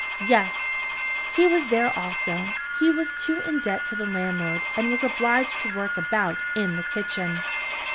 Yes, he was there also. He too was in debt to the landlord, and was obliged to work about in the kitchen.